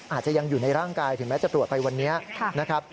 อาจจะยังอยู่ในร่างกายถึงแม้จะตรวจไปวันนี้นะครับ